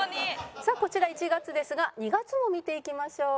さあこちら１月ですが２月も見ていきましょう。